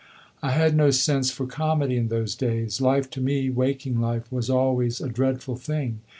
I had no sense for comedy in those days; life to me, waking life, was always a dreadful thing.